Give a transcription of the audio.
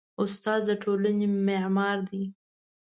استاد د ټولنې معمار دی.